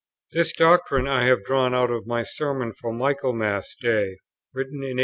This doctrine I have drawn out in my Sermon for Michaelmas day, written in 1831.